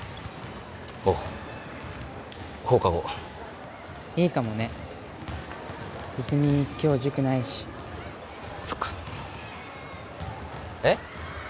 おう放課後いいかもね泉今日塾ないしそっかえっ？